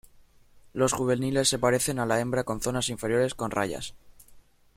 Los juveniles se parecen a la hembra con zonas inferiores con rayas.